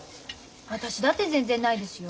私だって全然ないですよ。